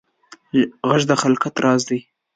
غږ د خلقت راز دی